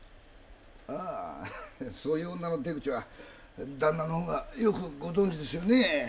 ああそういう女の手口は旦那の方がよくご存じですよね。